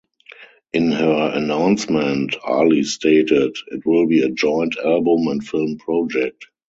In her announcement Ali stated ...it will be a joint album and film project.